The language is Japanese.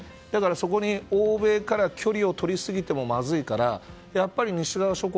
そこに欧米から距離を取りすぎてもまずいからやっぱり西側諸国